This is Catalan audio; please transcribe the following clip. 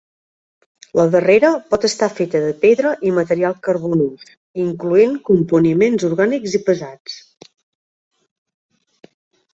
La darrere pot estar feta de pedra i material carbonós, incloent componiments orgànics pesats.